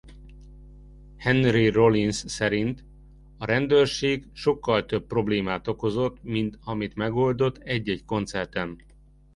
Henry Rollins szerint a rendőrség sokkal több problémát okozott mint amit megoldott egy-egy koncerten.